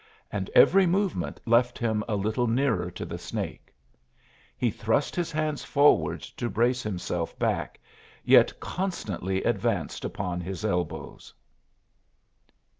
And every movement left him a little nearer to the snake. He thrust his hands forward to brace himself back, yet constantly advanced upon his elbows.